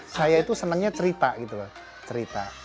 saya itu senangnya cerita gitu loh cerita